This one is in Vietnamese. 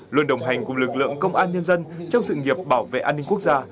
luôn đồng hành cùng lực lượng công an nhân dân trong sự nghiệp bảo vệ an ninh quốc gia